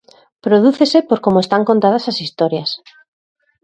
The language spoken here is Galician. Prodúcese por como están contadas as historias.